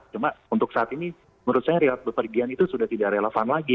cuma untuk saat ini menurut saya relat bepergian itu sudah tidak relevan lagi